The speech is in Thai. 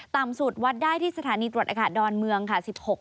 ต่ำสุดวัดได้ที่สถานีตรวจอากาศดอนเมืองค่ะ